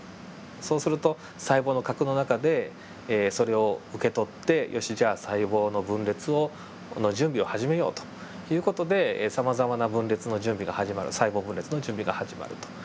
そうすると細胞の核の中でそれを受け取ってよしじゃあ細胞の分裂の準備を始めようという事でさまざまな分裂の準備が始まる細胞分裂の準備が始まると。